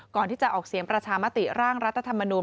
ก่อนที่จะออกเสียงประชามติร่างรัฐธรรมนูล